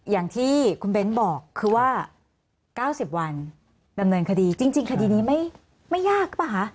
อย่างที่คุณเบ้นบอกคือว่า๙๐วันดำเนินคดีจริงคดีนี้ไม่ยากหรือเปล่าคะ